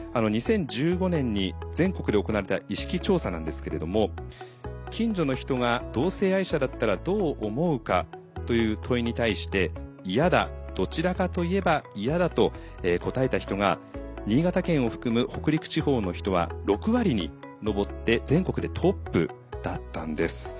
２０１５年に全国で行われた意識調査なんですけれども「近所の人が同性愛者だったらどう思うか？」という問いに対して「嫌だ」「どちらかといえば嫌だ」と答えた人が新潟県を含む北陸地方の人は６割に上って全国でトップだったんです。